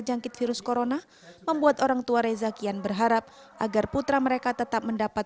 terjangkit virus corona membuat orangtua reza kian berharap agar putra mereka tetap mendapat